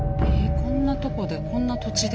こんなとこでこんな土地で？